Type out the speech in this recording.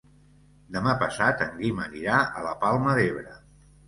Demà passat en Guim anirà a la Palma d'Ebre.